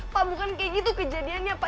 pak bukan kayak gitu kejadiannya pak